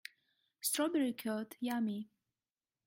Strawberry curd, yummy!